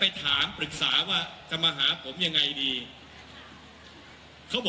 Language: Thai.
ไอ้ม้ากรี๊ดเลือดออกมาก็เป็นสีฟ้า